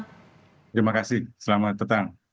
terima kasih selamat petang